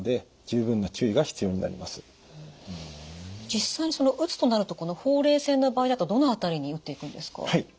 実際打つとなるとこのほうれい線の場合だとどの辺りに打っていくんですか？